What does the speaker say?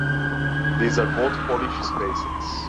These are both Polish spaces.